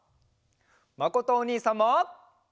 まことおにいさんも！